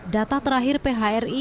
data terakhir phri